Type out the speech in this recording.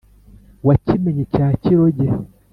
wa kimenyi cya kiroge,